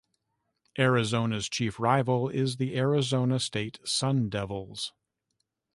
Arizona's chief rival is the Arizona State Sun Devils.